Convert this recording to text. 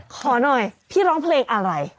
ขอหน่อยพี่ร้องเพลงอะไร